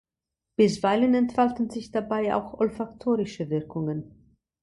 Bisweilen entfalten sich dabei auch olfaktorische Wirkungen.